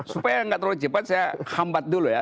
supaya nggak terlalu cepat saya hambat dulu ya